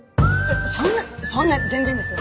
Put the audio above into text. そんなそんな全然です。